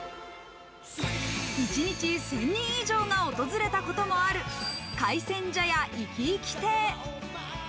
一日１０００人以上が訪れたこともある海鮮茶屋活き活き亭。